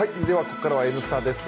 ここからは「Ｎスタ」です。